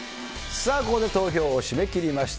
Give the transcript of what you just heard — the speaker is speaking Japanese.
さあ、ここで投票を締め切りました。